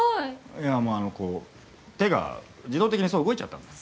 あのこう手が自動的にそう動いちゃったんだ。